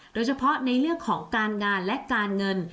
โดยเฉพาะในเรื่องของการงานและการเงิน